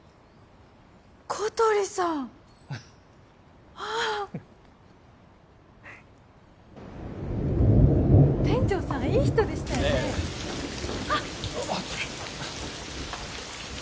小鳥さん店長さんいい人でしたよねええあっ